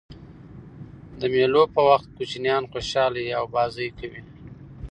د مېلو په وخت کوچنيان خوشحاله يي او بازۍ کوي.